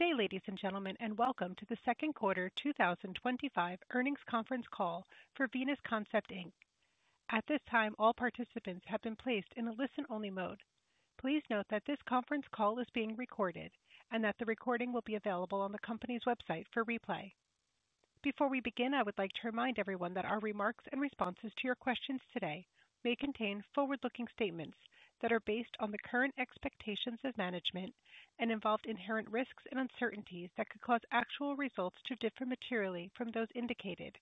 Today, ladies and gentlemen, and welcome to the second quarter 2025 earnings conference call for Venus Concept Inc. At this time, all participants have been placed in a listen-only mode. Please note that this conference call is being recorded and that the recording will be available on the company's website for replay. Before we begin, I would like to remind everyone that our remarks and responses to your questions today may contain forward-looking statements that are based on the current expectations of management and involve inherent risks and uncertainties that could cause actual results to differ materially from those indicated,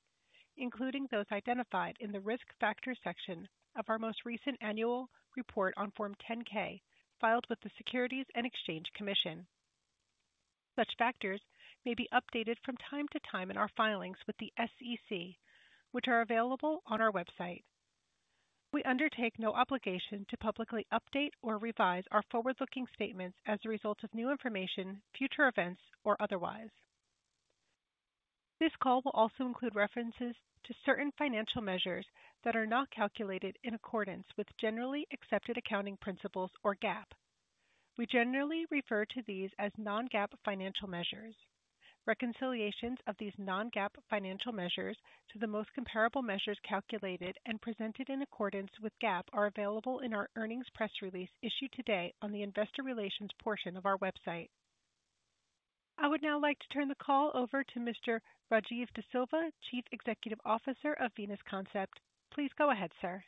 including those identified in the risk factors section of our most recent annual report on Form 10-K filed with the Securities and Exchange Commission. Such factors may be updated from time to time in our filings with the SEC, which are available on our website. We undertake no obligation to publicly update or revise our forward-looking statements as a result of new information, future events, or otherwise. This call will also include references to certain financial measures that are not calculated in accordance with generally accepted accounting principles or GAAP. We generally refer to these as non-GAAP financial measures. Reconciliations of these non-GAAP financial measures to the most comparable measures calculated and presented in accordance with GAAP are available in our earnings press release issued today on the investor relations portion of our website. I would now like to turn the call over to Mr. Rajiv De Silva, Chief Executive Officer of Venus Concept. Please go ahead, sir.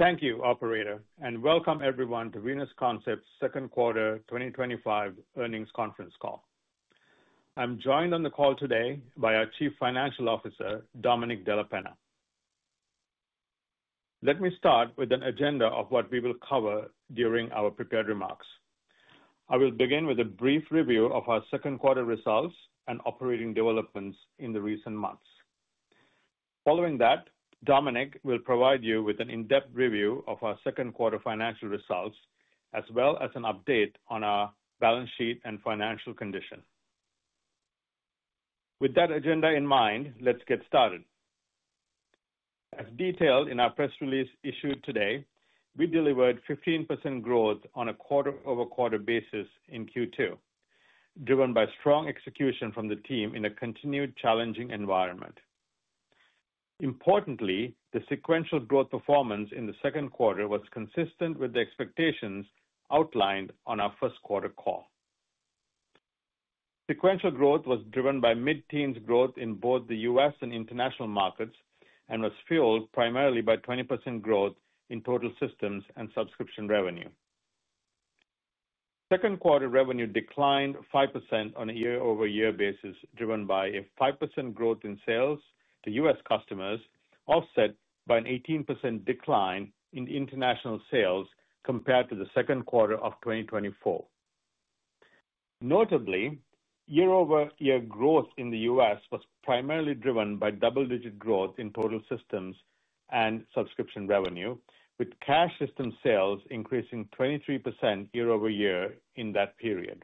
Thank you, operator, and welcome everyone to Venus Concept's second quarter 2025 earnings conference call. I'm joined on the call today by our Chief Financial Officer, Domenic Della Penna. Let me start with an agenda of what we will cover during our prepared remarks. I will begin with a brief review of our second quarter results and operating developments in the recent months. Following that, Domenic will provide you with an in-depth review of our second quarter financial results, as well as an update on our balance sheet and financial condition. With that agenda in mind, let's get started. As detailed in our press release issued today, we delivered 15% growth on a quarter-over-quarter basis in Q2, driven by strong execution from the team in a continued challenging environment. Importantly, the sequential growth performance in the second quarter was consistent with the expectations outlined on our first quarter call. Sequential growth was driven by mid-teens growth in both the U.S. and international markets and was fueled primarily by 20% growth in total systems and subscription revenue. Second quarter revenue declined 5% on a year-over-year basis, driven by a 5% growth in sales to U.S. customers, offset by an 18% decline in international sales compared to the second quarter of 2024. Notably, year-over-year growth in the U.S. was primarily driven by double-digit growth in total systems and subscription revenue, with cash system sales increasing 23% year-over-year in that period.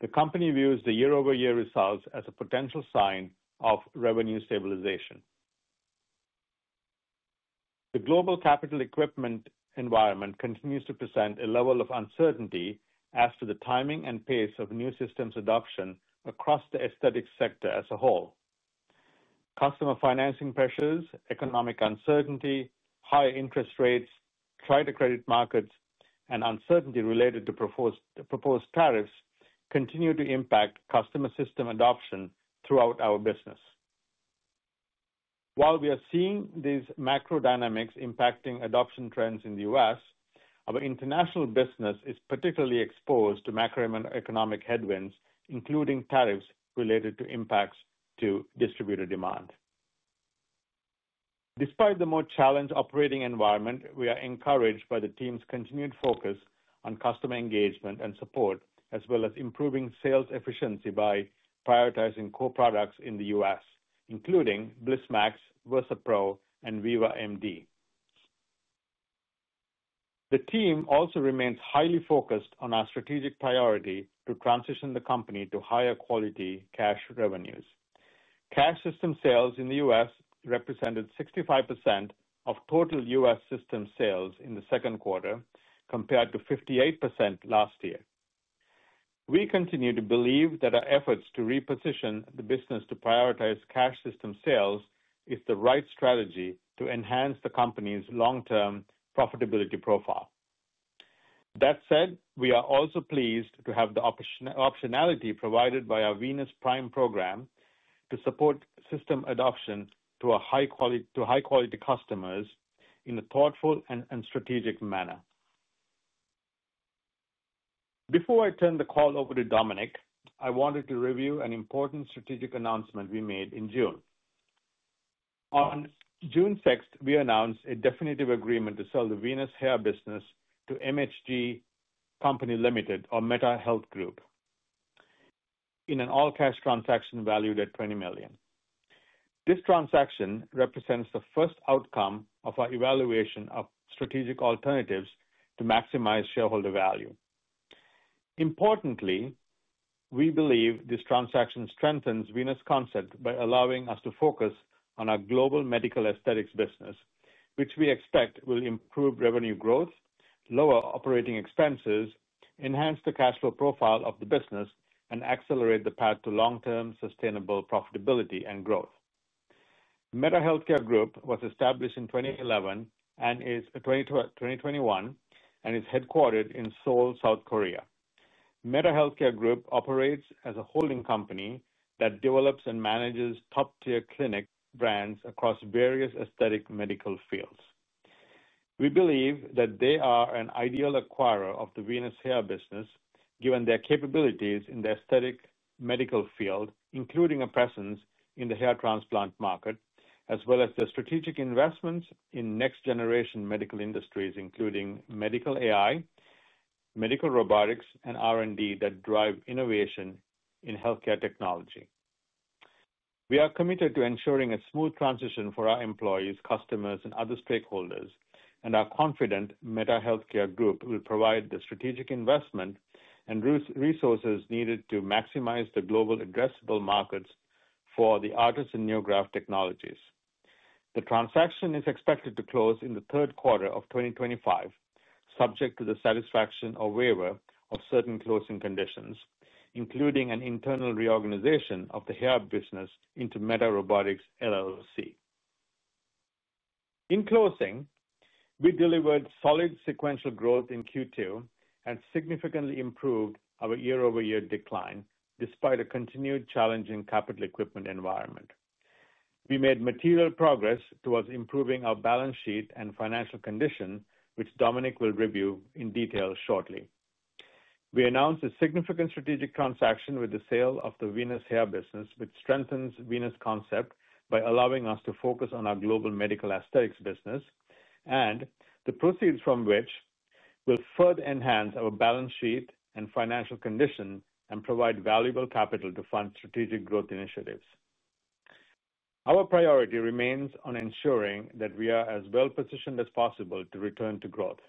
The company views the year-over-year results as a potential sign of revenue stabilization. The global capital equipment environment continues to present a level of uncertainty as to the timing and pace of new systems adoption across the aesthetic sector as a whole. Customer financing pressures, economic uncertainty, high interest rates, tight credit markets, and uncertainty related to proposed tariffs continue to impact customer system adoption throughout our business. While we are seeing these macro dynamics impacting adoption trends in the U.S., our international business is particularly exposed to macroeconomic headwinds, including tariffs related to impacts to distributor demand. Despite the more challenged operating environment, we are encouraged by the team's continued focus on customer engagement and support, as well as improving sales efficiency by prioritizing core products in the U.S., including BlissMAX, Versa Pro, and Viva MD. The team also remains highly focused on our strategic priority to transition the company to higher-quality cash revenues. Cash system sales in the U.S. represented 65% of total U.S. system sales in the second quarter, compared to 58% last year. We continue to believe that our efforts to reposition the business to prioritize cash system sales are the right strategy to enhance the company's long-term profitability profile. That said, we are also pleased to have the optionality provided by our Venus Prime program to support system adoption to our high-quality customers in a thoughtful and strategic manner. Before I turn the call over to Domenic, I wanted to review an important strategic announcement we made in June. On June 6, we announced a definitive agreement to sell the Venus Hair business to MHG Company Limited or Meta Health Group, in an all-cash transaction valued at $20 million. This transaction represents the first outcome of our evaluation of strategic alternatives to maximize shareholder value. Importantly, we believe this transaction strengthens Venus Concept by allowing us to focus on our global medical aesthetics business, which we expect will improve revenue growth, lower operating expenses, enhance the cash flow profile of the business, and accelerate the path to long-term sustainable profitability and growth. Meta Healthcare Group was established in 2011 and in 2021 and is headquartered in Seoul, South Korea. Meta Healthcare Group operates as a holding company that develops and manages top-tier clinic brands across various aesthetic medical fields. We believe that they are an ideal acquirer of the Venus Hair business, given their capabilities in the aesthetic medical field, including a presence in the hair transplant market, as well as their strategic investments in next-generation medical industries, including medical AI, medical robotics, and R&D that drive innovation in healthcare technology. We are committed to ensuring a smooth transition for our employees, customers, and other stakeholders, and are confident Meta Healthcare Group will provide the strategic investment and resources needed to maximize the global addressable markets for the ARTAS and NeoGraft technologies. The transaction is expected to close in the third quarter of 2025, subject to the satisfaction or waiver of certain closing conditions, including an internal reorganization of the hair business into Meta Robotics LLC. In closing, we delivered solid sequential growth in Q2 and significantly improved our year-over-year decline, despite a continued challenging capital equipment environment. We made material progress towards improving our balance sheet and financial condition, which Domenic will review in detail shortly. We announced a significant strategic transaction with the sale of the Venus Hair business, which strengthens Venus Concept by allowing us to focus on our global medical aesthetics business, and the proceeds from which will further enhance our balance sheet and financial condition and provide valuable capital to fund strategic growth initiatives. Our priority remains on ensuring that we are as well positioned as possible to return to growth.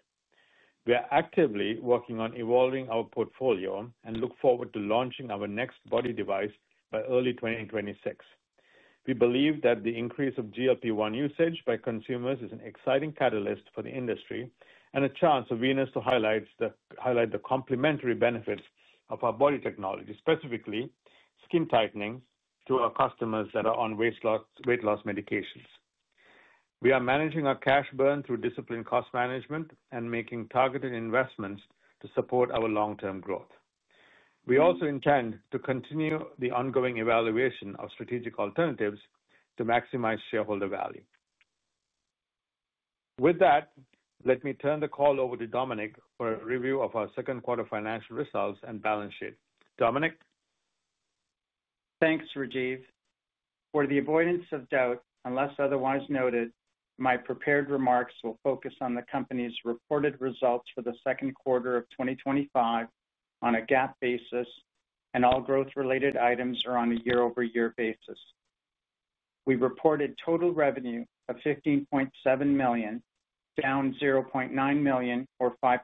We are actively working on evolving our portfolio and look forward to launching our next body device by early 2026. We believe that the increase of GLP-1 usage by consumers is an exciting catalyst for the industry and a chance for Venus to highlight the complementary benefits of our body technology, specifically skin tightening to our customers that are on weight loss medications. We are managing our cash burn through disciplined cost management and making targeted investments to support our long-term growth. We also intend to continue the ongoing evaluation of strategic alternatives to maximize shareholder value. With that, let me turn the call over to Domenic for a review of our second quarter financial results and balance sheet. Domenic? Thanks, Rajiv. For the avoidance of doubt, unless otherwise noted, my prepared remarks will focus on the company's reported results for the second quarter of 2025 on a GAAP basis, and all growth-related items are on a year-over-year basis. We reported total revenue of $15.7 million, down $0.9 million, or 5%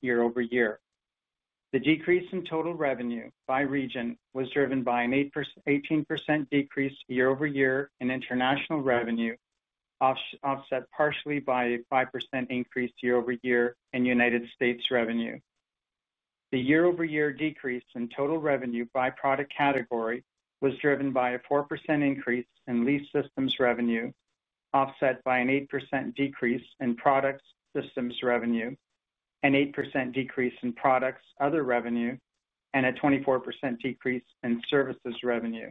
year-over-year. The decrease in total revenue by region was driven by an 18% decrease year-over-year in international revenue, offset partially by a 5% increase year-over-year in United States revenue. The year-over-year decrease in total revenue by product category was driven by a 4% increase in lease systems revenue, offset by an 8% decrease in products systems revenue, an 8% decrease in products other revenue, and a 24% decrease in services revenue.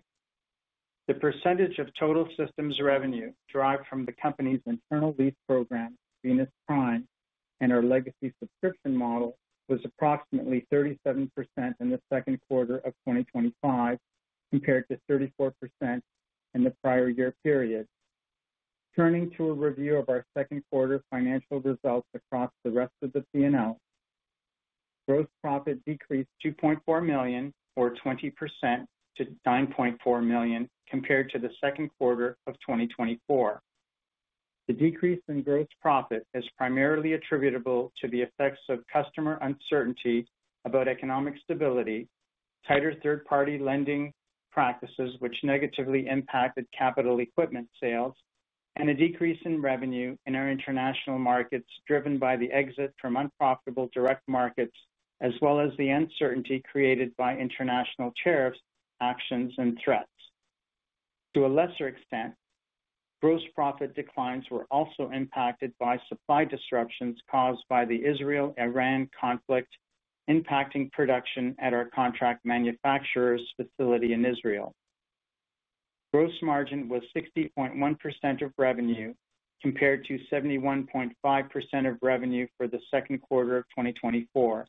The percentage of total systems revenue derived from the company's internal lease program, Venus Prime, and our legacy subscription model was approximately 37% in the second quarter of 2025, compared to 34% in the prior year period. Turning to a review of our second quarter financial results across the rest of the P&L, gross profit decreased $2.4 million, or 20%, to $9.4 million, compared to the second quarter of 2024. The decrease in gross profit is primarily attributable to the effects of customer uncertainty about economic stability, tighter third-party lending practices which negatively impacted capital equipment sales, and a decrease in revenue in our international markets driven by the exit from unprofitable direct markets, as well as the uncertainty created by international tariffs, actions, and threats. To a lesser extent, gross profit declines were also impacted by supply disruptions caused by the Israel-Iran conflict, impacting production at our contract manufacturer's facility in Israel. Gross margin was 60.1% of revenue, compared to 71.5% of revenue for the second quarter of 2024.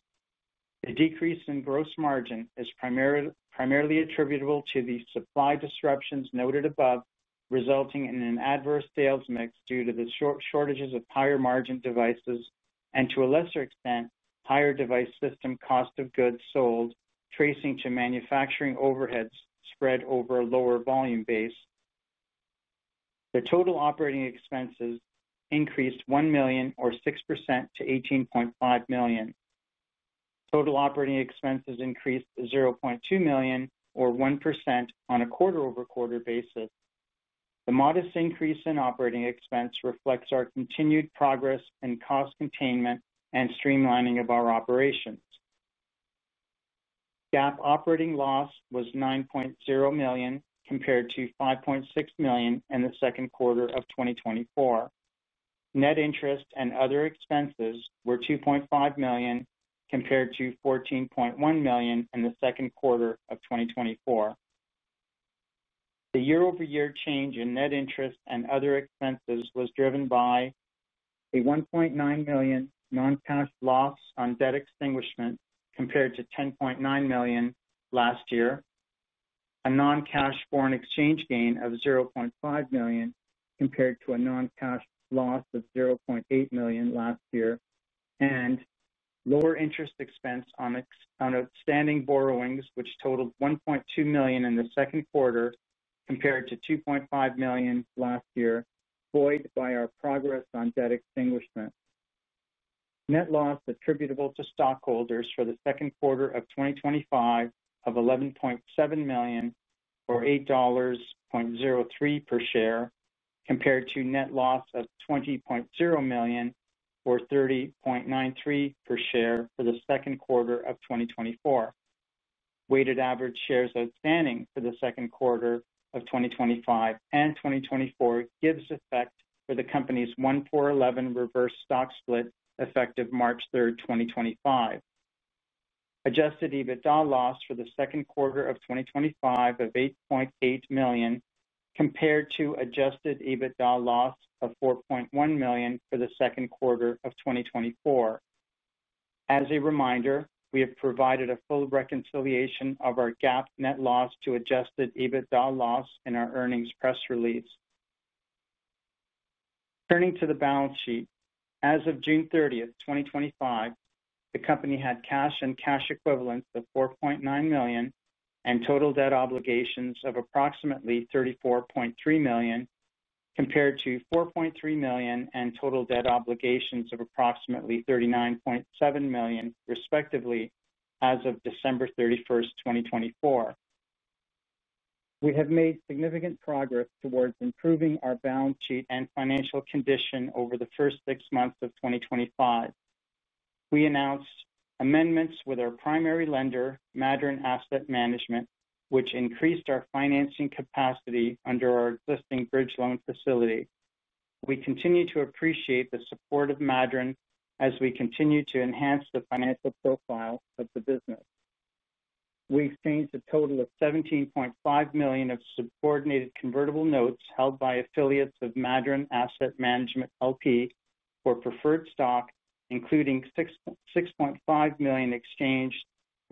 The decrease in gross margin is primarily attributable to the supply disruptions noted above, resulting in an adverse sales mix due to the shortages of higher margin devices and, to a lesser extent, higher device system cost of goods sold, tracing to manufacturing overheads spread over a lower volume base. The total operating expenses increased $1 million, or 6%, to $18.5 million. Total operating expenses increased $0.2 million, or 1%, on a quarter-over-quarter basis. The modest increase in operating expense reflects our continued progress in cost containment and streamlining of our operations. GAAP operating loss was $9.0 million, compared to $5.6 million in the second quarter of 2024. Net interest and other expenses were $2.5 million, compared to $14.1 million in the second quarter of 2024. The year-over-year change in net interest and other expenses was driven by a $1.9 million non-cash loss on debt extinguishment, compared to $10.9 million last year, a non-cash foreign exchange gain of $0.5 million, compared to a non-cash loss of $0.8 million last year, and lower interest expense on outstanding borrowings, which totaled $1.2 million in the second quarter, compared to $2.5 million last year, void by our progress on debt extinguishment. Net loss attributable to stockholders for the second quarter of 2025 of $11.7 million, or $8.03 per share, compared to net loss of $20.0 million, or $30.93 per share for the second quarter of 2024. Weighted average shares outstanding for the second quarter of 2025 and 2024 gives effect for the company's 1-for-11 reverse stock split effective March 3, 2025. Adjusted EBITDA loss for the second quarter of 2025 of $8.8 million, compared to adjusted EBITDA loss of $4.1 million for the second quarter of 2024. As a reminder, we have provided a full reconciliation of our GAAP net loss to adjusted EBITDA loss in our earnings press release. Turning to the balance sheet, as of June 30, 2025, the company had cash and cash equivalents of $4.9 million and total debt obligations of approximately $34.3 million, compared to $4.3 million and total debt obligations of approximately $39.7 million, respectively, as of December 31, 2024. We have made significant progress towards improving our balance sheet and financial condition over the first six months of 2025. We announced amendments with our primary lender, Madryn Asset Management, which increased our financing capacity under our existing bridge loan facility. We continue to appreciate the support of Madryn as we continue to enhance the financial profile of the business. We exchanged a total of $17.5 million of subordinated convertible notes held by affiliates of Madryn Asset Management LP for preferred stock, including $6.5 million exchanged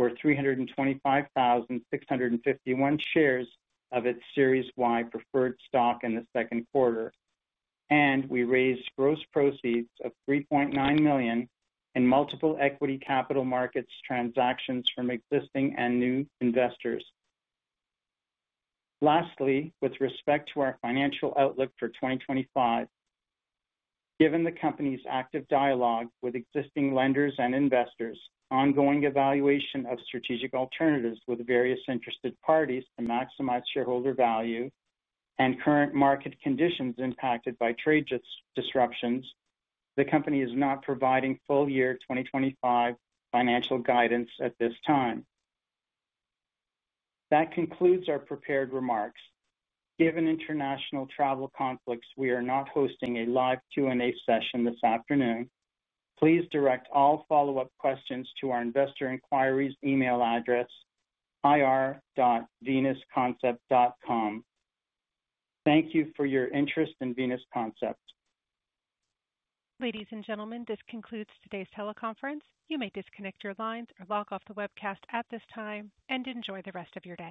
for 325,651 shares of its Series Y preferred stock in the second quarter, and we raised gross proceeds of $3.9 million in multiple equity capital markets transactions from existing and new investors. Lastly, with respect to our financial outlook for 2025, given the company's active dialogue with existing lenders and investors, ongoing evaluation of strategic alternatives with various interested parties to maximize shareholder value, and current market conditions impacted by trade disruptions, the company is not providing full-year 2025 financial guidance at this time. That concludes our prepared remarks. Given international travel conflicts, we are not hosting a live Q&A session this afternoon. Please direct all follow-up questions to our investor inquiries email address, ir.venusconcept.com. Thank you for your interest in Venus Concept. Ladies and gentlemen, this concludes today's teleconference. You may disconnect your lines or log off the webcast at this time and enjoy the rest of your day.